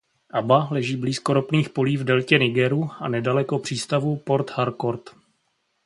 Aba leží blízko ropných polí v deltě Nigeru a nedaleko přístavu Port Harcourt.